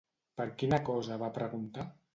Per quina cosa va preguntar?